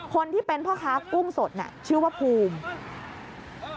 คนที่เป็นพ่อค้ากุ้งสดน่ะชื่อว่าภูมิ